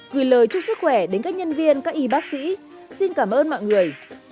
gửi lời chúc sức khỏe đến các nhân viên các y bác sĩ xin cảm ơn mọi người